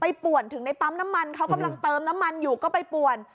ป่วนถึงในปั๊มน้ำมันเขากำลังเติมน้ำมันอยู่ก็ไปป่วน